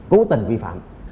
cố tình vi phạm